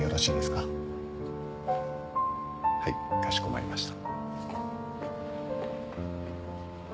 かしこまりました。